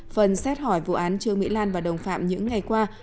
phần xét hỏi vụ án trương mỹ lan và đồng phạm những ngày qua